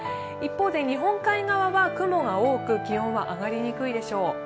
一方で日本海側は雲が多く気温は上がりにくいでしょう。